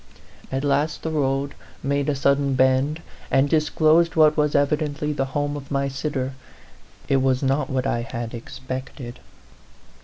At last the road made a sud den bend, and disclosed what was evidently the home of my sitter. It was not what I had expected.